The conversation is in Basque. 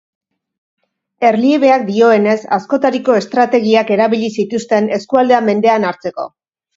Erliebeak dioenez, askotariko estrategiak erabili zituzten eskualdea mendean hartzeko.